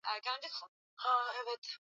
Familia nyingi huenda kanisani jumapili